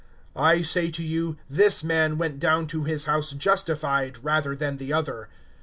(14)I say to you, this man went down to his house justified, rather than the other.